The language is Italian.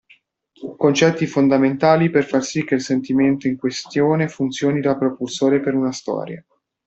Concetti fondamentali per far sì che il sentimento in questione funzioni da propulsore per una storia.